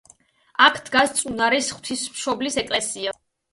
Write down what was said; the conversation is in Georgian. აქ დგას წუნარის ღვთისმშობლის ეკლესია.